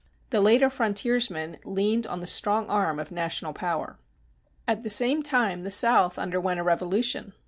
The later frontiersman leaned on the strong arm of national power. At the same time the South underwent a revolution.